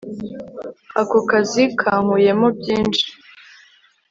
ako kazi kankuyemo byinshi